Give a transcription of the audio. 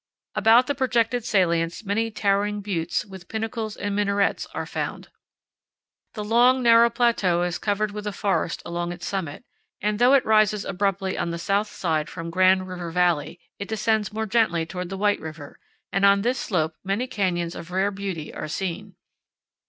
About the projected salients many towering buttes, with pinnacles and minarets, are found. The long, narrow plateau is covered with a forest along its summit, and, though it rises abruptly on the south side from Grand River Valley, it descends more gently toward the White River, and on MESAS AND BUTTES. 61 powell canyons 35.jpg A TUSAYAN LADDER. this slope many canyons of rare beauty are seen.